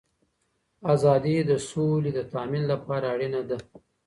آزادي د سولی د تأمین لپاره اړینه ده.